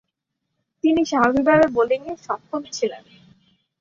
তিনি স্বাভাবিকভাবে বোলিংয়ে সক্ষম ছিলেন।